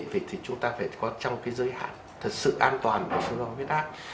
vậy thì chúng ta phải có trong cái giới hạn thật sự an toàn của số lo viết áp